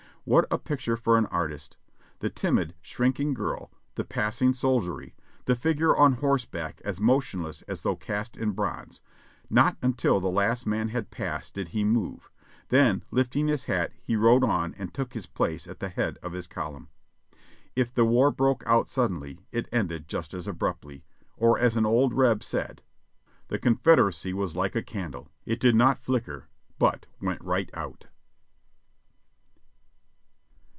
What a picture for an artist : the timid, shrinking girl ; the passing soldiery, the figure on horseback as motionless as though cast in bronze; not until the last man had passed did he move, then lifting his hat he rode on and took his place at the head of his column. If the war broke out suddenly, it ended just as abruptly; or as an old Reb said, "the Confederacy was like a candle — it did not flicker, but went right out."